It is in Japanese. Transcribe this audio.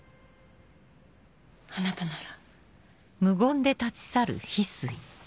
あなたなら。